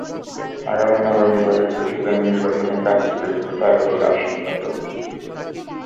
আগামী নভেম্বরের প্রেসিডেন্ট নির্বাচনে কারচুপি হতে পারে বলে আশঙ্কা প্রকাশ করেছেন তিনি।